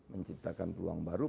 menciptakan peluang baru